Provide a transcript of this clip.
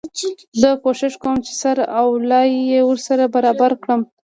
زه کوښښ کوم چي سر او لای يې ورسره برابر کړم.